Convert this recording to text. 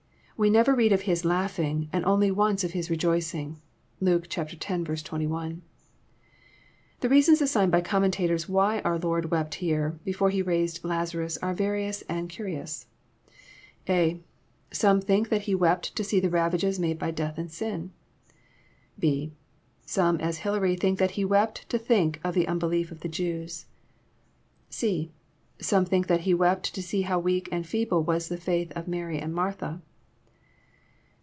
We never read of His laughing, and only once of His rejoicing. (Luke x. 21.) The reasons assigned by commentators why our Lord wept here, before He raised Lazarus, are various and curious. (a) Some think that he wept to see the ravages made by death and sin. (&) Some, as Hilary, think that He wept to think of the unbelief of the Jews. (c) Some think that He wept to see how weak and feeble was the faith of Mary and Martha.